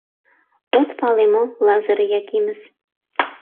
— От пале мо, Лазыр Якимыс...